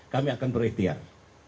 kami akan berikhtiar